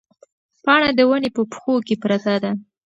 پاڼه د ونې په پښو کې پرته ده.